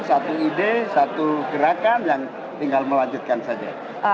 satu ide satu gerakan yang tinggal melanjutkan saja